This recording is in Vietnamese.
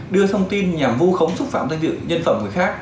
đưa thông tin nhằm vô khống xúc phạm tên dự nhân phẩm người khác